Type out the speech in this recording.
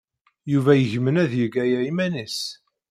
Yuba yegmen ad yeg aya iman-is.